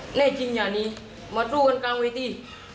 แน่จริงอย่านี้มาสู้กันกลางเวที